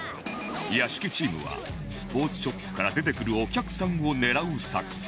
屋敷チームはスポーツショップから出てくるお客さんを狙う作戦